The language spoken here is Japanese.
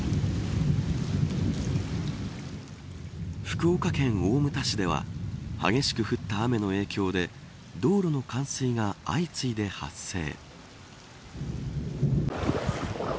福岡県大牟田市では激しく降った雨の影響で道路の冠水が相次いで発生。